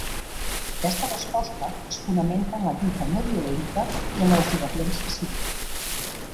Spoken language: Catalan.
Aquesta resposta es fonamenta en la lluita no violenta i en la desobediència civil.